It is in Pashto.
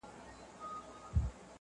زه ، ته او سپوږمۍ_